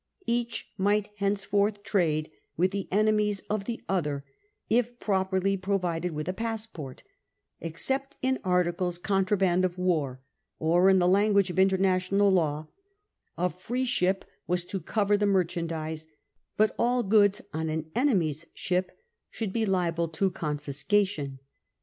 Each might henceforth trade with the enemies of the other, if properly provided with a passport, except in articles contraband of war ; or, in the language of international law, a free ship was to cover the merchandise ; but all goods on an enemy's ship should be liable to confiscation.